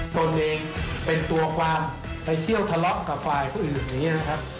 ตนเองเป็นตัวความไปเที่ยวทะเลาะกับฝ่ายผู้อื่นอย่างนี้นะครับ